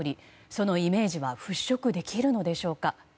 そのイメージは払拭できるのでしょうか。